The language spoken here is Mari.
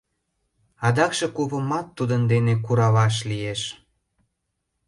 Адакше купымат тудын дене куралаш лиеш.